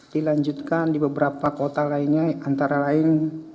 dilanjutkan di beberapa kota lainnya antara lain